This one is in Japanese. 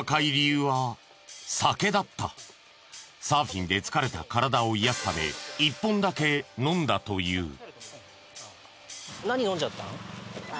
サーフィンで疲れた体を癒やすため１本だけ飲んだという。